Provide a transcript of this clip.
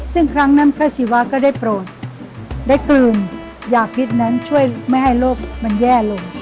ซึ่งครั้งนั้นพระศิวะก็ได้โปรดได้กลืนยาพิษนั้นช่วยไม่ให้โรคมันแย่ลง